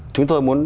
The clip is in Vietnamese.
chúng tôi muốn